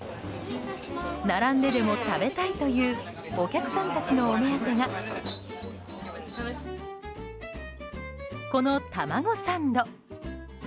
並んででも食べたいというお客さんたちのお目当てがこのタマゴサンド。